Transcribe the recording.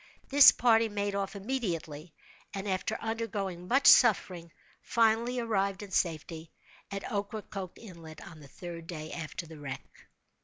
This party made off immediately, and, after undergoing much suffering, finally arrived, in safety, at Ocracoke Inlet, on the third day after the wreck.